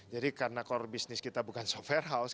jadi karena core bisnis kita bukan software house